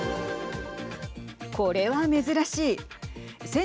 これは珍しい。